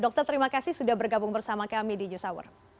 dokter terima kasih sudah bergabung bersama kami di news hour